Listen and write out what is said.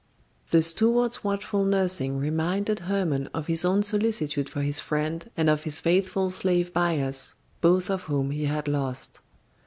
The steward's watchful nursing reminded Hermon of his own solicitude for his friend and of his faithful slave Bias, both of whom he had lost.